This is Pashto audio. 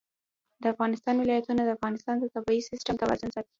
د افغانستان ولايتونه د افغانستان د طبعي سیسټم توازن ساتي.